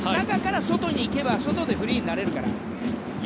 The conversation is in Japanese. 中から外に行けば外でフリーになれるから。